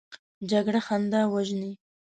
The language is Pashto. جګړه خندا وژني